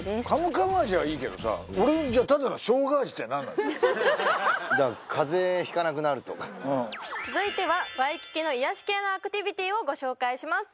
カムカム味はいいけどさ俺のじゃあだから風邪ひかなくなるとか続いてはワイキキの癒やし系のアクティビティをご紹介します